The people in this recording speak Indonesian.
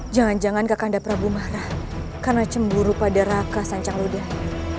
jangan jangan kakanda prabu marah karena cemburu pada raka sancaglodaya